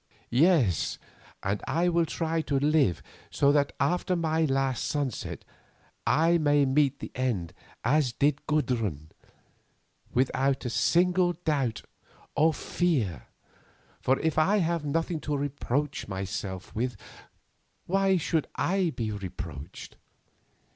Yes, and I will try to live so that after my last sunset I may meet the end as did Gudrun; without a single doubt or fear, for if I have nothing to reproach myself with, why should I be reproached?